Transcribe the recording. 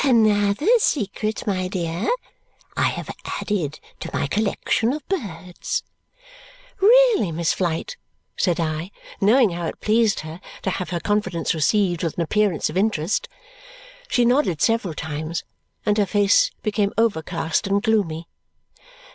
"Another secret, my dear. I have added to my collection of birds." "Really, Miss Flite?" said I, knowing how it pleased her to have her confidence received with an appearance of interest. She nodded several times, and her face became overcast and gloomy.